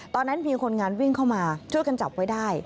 ตอนนั้นมีคนงานวิ่งเข้ามาช่วยกันจับไว้ได้